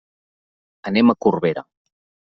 Anem a Corbera.